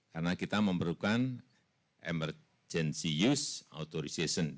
karena kita memerlukan emergency use authorization